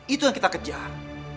itu yang kita kejar